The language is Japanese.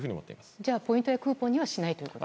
じゃあポイントやクーポンにはしないということですか？